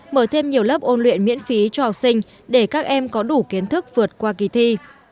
mở thêm nhiều lớp ôn luyện miễn phí cho học sinh để các em có đủ kiến thức vượt qua kỳ thi